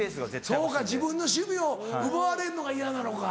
そうか自分の趣味を奪われるのが嫌なのか。